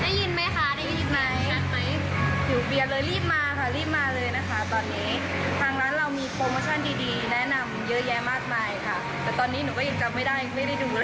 แต่ตอนนี้หนูก็ยังจำไม่ได้ยังไม่ได้ดู